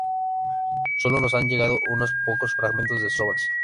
Sólo nos han llegado unos pocos fragmentos de sus obras.